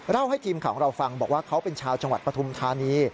ให้ทีมข่าวของเราฟังบอกว่าเขาเป็นชาวจังหวัดปฐุมธานี